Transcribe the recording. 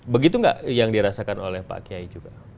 begitu nggak yang dirasakan oleh pak kiai juga